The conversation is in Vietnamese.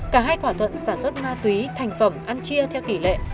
cả hai thỏa thuận sản xuất ma túy thành phẩm ăn chia theo tỷ lệ